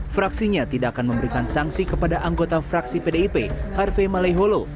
fraksinya tidak akan memberikan sanksi kepada anggota fraksi pdip harvey maleholo